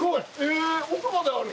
え奥まである。